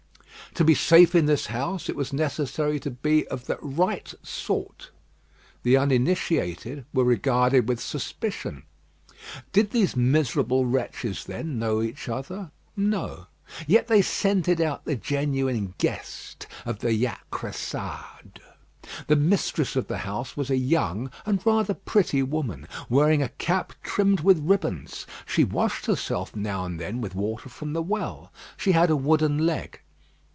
To be safe in this house, it was necessary to be of the "right sort." The uninitiated were regarded with suspicion. Did these miserable wretches, then, know each other? No; yet they scented out the genuine guest of the Jacressade. The mistress of the house was a young and rather pretty woman, wearing a cap trimmed with ribbons. She washed herself now and then with water from the well. She had a wooden leg.